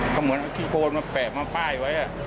ก็เหมือนที่โฟนมาแปะมาป้ายไว้